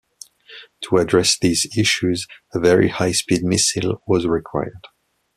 To address these issues, a very high speed missile was required.